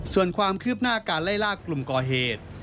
ส่วนความคืบหน้าการไล่ลากกลุ่มก่อเหตุ